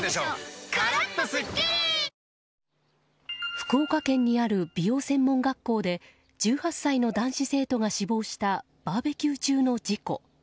福岡県にある美容専門学校で１８歳の男子生徒が死亡したバーベキュー中の事故。